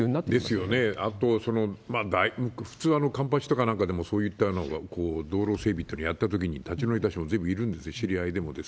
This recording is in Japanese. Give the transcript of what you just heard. ですよね、あと、普通、環八とかなんかでもそういったような道路整備ってのやったときに立ち退いた人もずいぶんいるんです、知り合いでも。